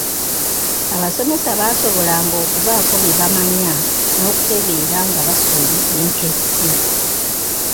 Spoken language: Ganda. Abasomesa baasobolanga okubaako bye bamanya n'okutegeera nga basuuliza enkessi.